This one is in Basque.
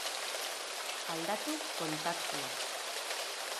Aldatu kontaktua.